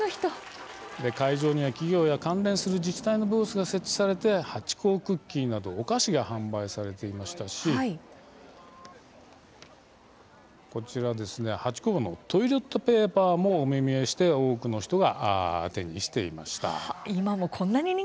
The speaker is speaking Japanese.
会場には企業や関連する自治体のブースが設置されてハチ公クッキーなどお菓子が販売されていましたしハチ公のトイレットペーパーもお目見えして多くの人が手にしていました。